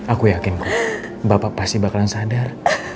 aku yakin bapak pasti bakalan sadar